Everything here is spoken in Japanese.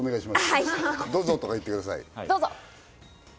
どうぞ。